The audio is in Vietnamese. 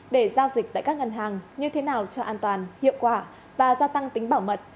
để giao dịch tại các ngân hàng như thế nào cho an toàn hiệu quả và gia tăng tính bảo mật